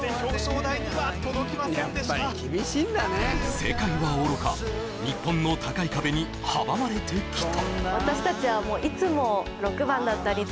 世界はおろか日本の高い壁に阻まれてきた